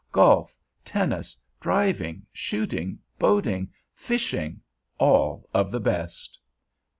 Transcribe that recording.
Golf, tennis, driving, shooting, boating, fishing, all of the best.